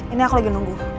ini aku lagi nunggu